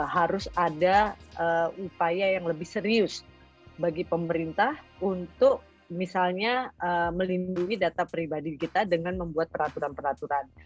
harus ada upaya yang lebih serius bagi pemerintah untuk misalnya melindungi data pribadi kita dengan membuat peraturan peraturan